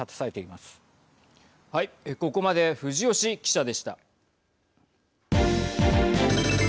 ここまで藤吉記者でした。